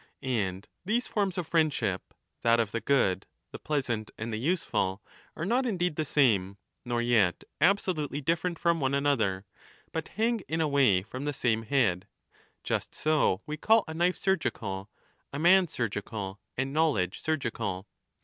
And these forms of friendship, that of the good, ao the pleasant, and the useful, are not indeed the same, nor yet absolutely different from one another, but hang in a way from the same head. Just so we call a knife surgical, a man surgical, and knowledge surgical.